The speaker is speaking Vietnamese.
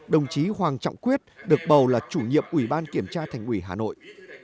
đồng chí hoàng trọng quyết được bầu là chủ nhiệm ủy ban kiểm tra thành ủy hà nội